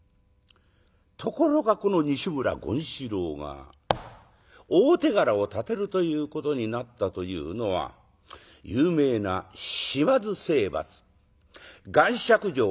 ところがこの西村権四郎が大手柄を立てるということになったというのは有名な島津征伐岩石城の合戦でございました。